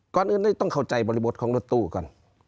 ก่อนอื่นได้ต้องเข้าใจบริบทของรถตู้ก่อน